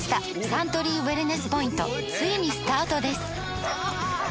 サントリーウエルネスポイントついにスタートです！